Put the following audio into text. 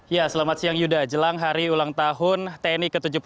ya selamat siang yuda jelang hari ulang tahun tni ke tujuh puluh tujuh